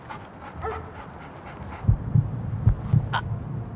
うん。